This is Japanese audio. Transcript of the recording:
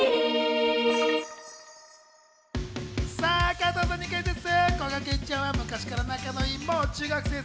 加藤さんにクイズッス！